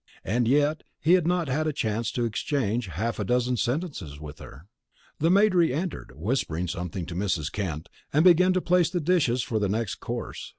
And yet he had not had a chance to exchange half a dozen sentences with her. The maid reentered, whispered something to Mrs. Kent, and began to place the dishes for the next course.